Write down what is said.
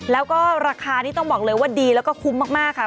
แล้วก็ราคานี้ต้องบอกเลยว่าดีแล้วก็คุ้มมากค่ะ